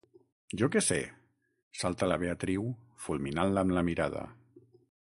Jo què sé! –salta la Beatriu, fulminant-la amb la mirada–.